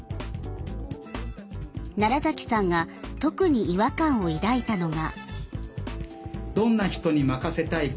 奈良さんが特に違和感を抱いたのが。